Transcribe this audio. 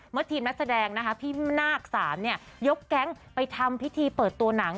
ทีมนักแสดงนะคะพี่นาค๓ยกแก๊งไปทำพิธีเปิดตัวหนัง